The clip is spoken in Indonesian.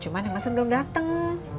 cuman yang asal belum dateng